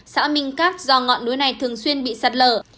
xã minh cát do ngọn núi này thường xuyên bị sạt lở